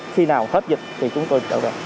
khi nào hết dịch thì chúng tôi đổ ra